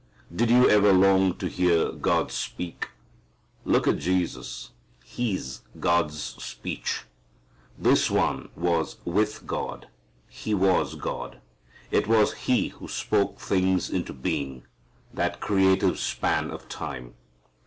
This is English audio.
Did you ever long to hear God speak? Look at Jesus. He's God's speech. This One was with God. He was God. It was He who spoke things into being, that creative span of time.